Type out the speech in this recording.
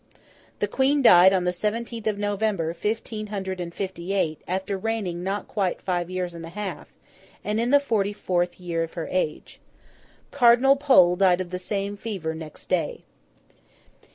The Queen died on the seventeenth of November, fifteen hundred and fifty eight, after reigning not quite five years and a half, and in the forty fourth year of her age. Cardinal Pole died of the same fever next day.